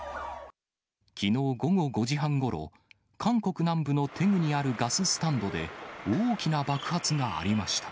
きのう午後５時半ごろ、韓国南部のテグにあるガススタンドで、大きな爆発がありました。